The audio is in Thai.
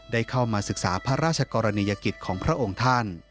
ได้เข้ามาศึกษาพระราชกรณียกิจของพระองค์ท่าน